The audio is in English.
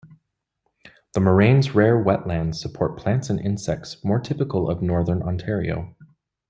The moraine's rare wetlands support plants and insects more typical of northern Ontario.